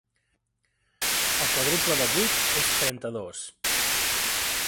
El quàdruple de vuit és trenta-dos.